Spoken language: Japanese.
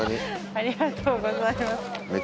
ありがとうございます。